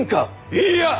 いいや！